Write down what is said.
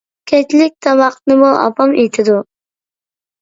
كەچلىك تاماقنىمۇ ئاپام ئېتىدۇ.